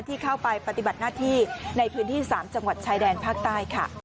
ที่เข้าไปปฏิบัติหน้าที่ในพื้นที่๓จังหวัดชายแดนภาคใต้ค่ะ